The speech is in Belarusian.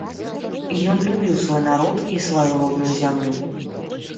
Ён любіў свой народ і сваю родную зямлю.